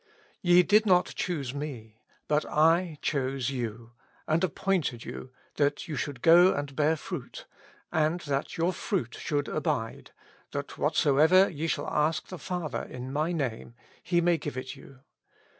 Ve did not choose me, but I chose you, and appointed you, that ye should go and bear fruit, and that yoitr fruit should abide ; THAT WHATSOEVER YE SHALL ASK the Father in my name, He may give it you.